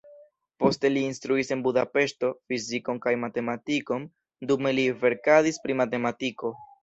Poste li instruis en Budapeŝto fizikon kaj matematikon, dume li verkadis pri matematiko.